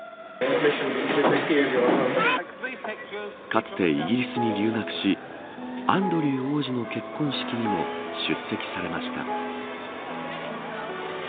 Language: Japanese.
かつてイギリスに留学しアンドリュー王子の結婚式にも出席されました。